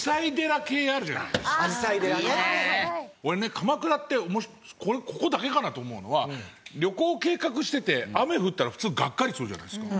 俺ね鎌倉ってこれここだけかなと思うのは旅行を計画してて雨降ったら普通ガッカリするじゃないですか。